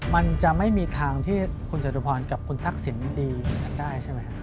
มันจะไม่มีทางที่คุณจัตรุพรกับคุณทักษิณดีกันได้ใช่มั้ยฮะ